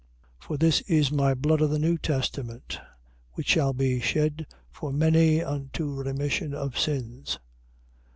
For this is my blood of the new testament, which shall be shed for many unto remission of sins.